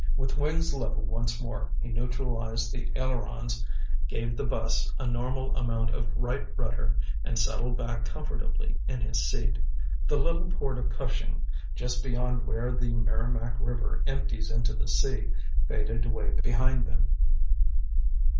With wings level once more, he neutralized the ailerons, gave the bus a normal amount of right rudder and settled back comfortably in his seat. The little port of Cushing, just beyond where the Merrimac River empties into the sea, faded away behind them.